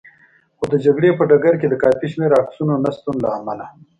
خو د جګړې په ډګر کې د کافي شمېر عسکرو نه شتون له امله.